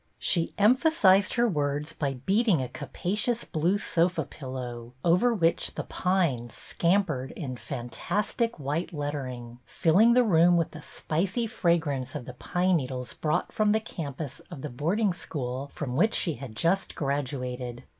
She emphasized her words by beating a capacious blue sofa pillow over which The Pines " scampered in fantastic white lettering, filling the room with the spicy fragrance of the pine needles brought from the campus of the boarding school from which she had just graduated.